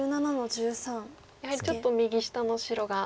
やはりちょっと右下の白が。